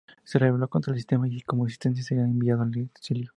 Se reveló contra el sistema, y como sentencia, sería enviado al exilio.